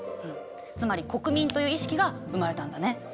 つまり国民という意識が生まれたんだね。